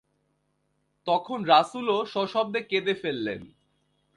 তখন রাসূলও স্বশব্দে কেঁদে ফেললেন।